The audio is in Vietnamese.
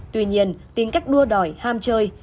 tuy nhiên tính cách đua đòi ham chơi